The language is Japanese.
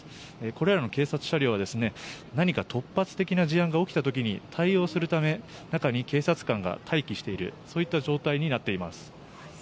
これらの警察車両は何か突発的な事案が起きた時に対応するため中に警察官が待機しているそういった状況になっています。